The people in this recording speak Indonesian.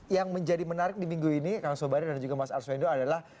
yang menjadi menarik di minggu ini kang sobari dan juga mas arswendo adalah